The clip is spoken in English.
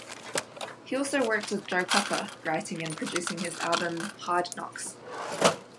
He also worked with Joe Cocker, writing and producing his album, "Hard Knocks".